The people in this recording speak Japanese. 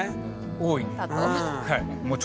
大いに。